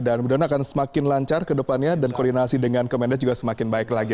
dan mudah mudahan akan semakin lancar ke depannya dan koordinasi dengan kemanusiaan juga akan berjalan